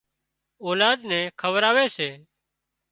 اولاد نين کوَراوي سي